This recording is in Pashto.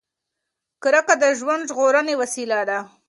کرکه د ژوند ژغورنې وسیله ده.